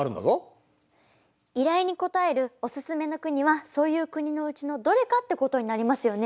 依頼に答える「おすすめの国」はそういう国のうちのどれかってことになりますよね？